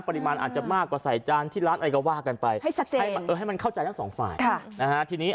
อาจจะมากกว่าใส่จานที่ร้านอะไรก็ว่ากันไปให้มันเข้าใจทั้งสองฝ่ายนะฮะ